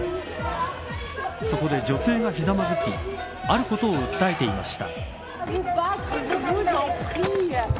そこで、女性がひざまずきあることを訴えていました。